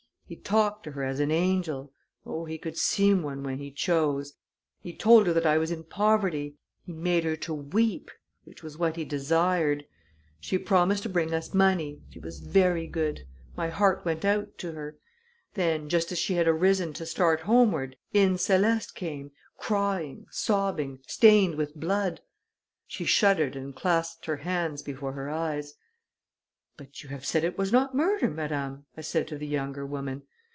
He talked to her as an angel oh, he could seem one when he chose! he told her that I was in poverty he made her to weep, which was what he desired. She promised to bring us money; she was ver' good; my heart went out to her. Then, just as she had arisen to start homeward, in Céleste came, crying, sobbing, stained with blood." She shuddered and clasped her hands before her eyes. "But you have said it was not murder, madame," I said to the younger woman.